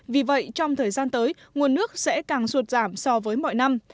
vì vậy trong thời gian tới nguồn nước sẽ càng ruột giảm so với mọi năm